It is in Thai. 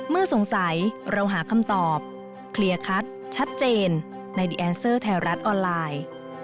โปรดติดตามตอนต่อไป